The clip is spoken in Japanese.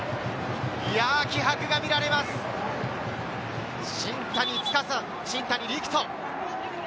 気迫が見られます、新谷陸斗。